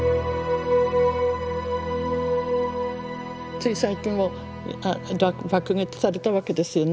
つい最近も爆撃されたわけですよね。